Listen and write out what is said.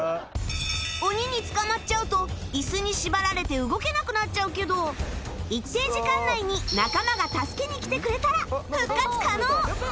鬼に捕まっちゃうとイスに縛られて動けなくなっちゃうけど一定時間内に仲間が助けに来てくれたら復活可能！